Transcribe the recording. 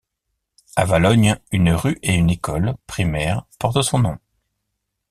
A Valognes, une rue et une école primaire portent son nom.